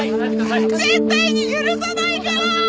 絶対に許さないから！